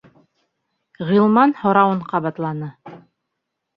Ғилман һорауын ҡабатланы: